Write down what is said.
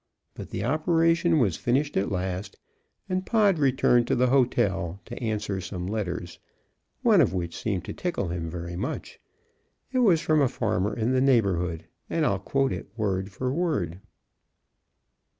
But the operation was finished at last, and Pod returned to the hotel to answer some letters, one of which seemed to tickle him very much. It was from a farmer in the neighborhood, and I'll quote it word for word.